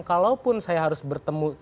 kalaupun saya harus bertemu